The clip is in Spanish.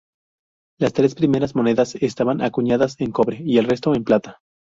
Las tres primeras monedas estaban acuñadas en cobre, y el resto en plata.